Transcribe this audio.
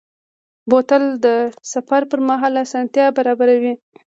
بوتل د سفر پر مهال آسانتیا برابروي.